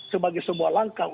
sebagai sebuah langkah